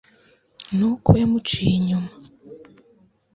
nu ko yamuciye inyuma